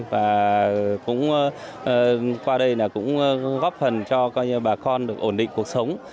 và qua đây cũng góp phần cho bà con được ổn định cuộc sống